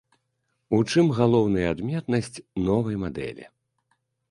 У чым галоўная адметнасць новай мадэлі?